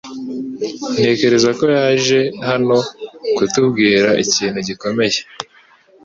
Ntekereza ko yaje hano kutubwira ikintu gikomeye.